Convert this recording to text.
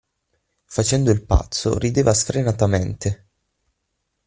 Facendo il pazzo, rideva sfrenatamente.